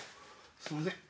すんません。